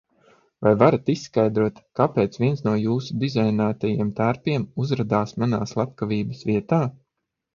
Vai varat izskaidrot, kāpēc viens no jūsu dizainētajiem tērpiem uzradās manā slepkavības vietā?